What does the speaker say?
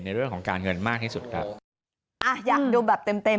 ในเรื่องของการเงินมากที่สุดครับ